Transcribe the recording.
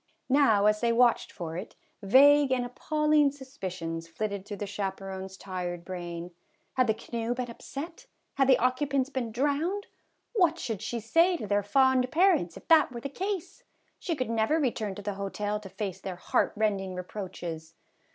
Now as they watched for it, vague and appalling suspicions flitted through the chaperon's tired brain. Had the canoe been upset ? Had the occupants been drowned ? What should she say to their fond parents if that were the case? She could never return to the hotel to face their heartrending re proaches.